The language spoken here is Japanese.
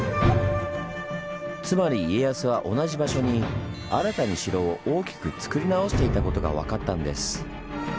つまり家康は同じ場所に新たに城を大きくつくり直していたことが分かったんです。